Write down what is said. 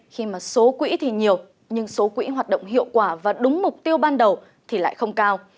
khi mà số quỹ thì nhiều nhưng số quỹ hoạt động hiệu quả và đúng mục tiêu ban đầu thì lại không cao